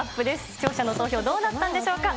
視聴者の投票、どうなったんでしょうか。